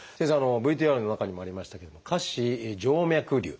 ＶＴＲの中にもありましたけれども「下肢静脈りゅう」。